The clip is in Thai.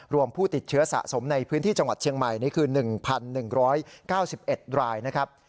ผู้ติดเชื้อสะสมในพื้นที่จังหวัดเชียงใหม่นี่คือ๑๑๙๑รายนะครับ